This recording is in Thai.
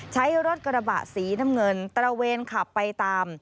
ใช้รถกระบะสีน้ำเงินตระเวนขับไปตาม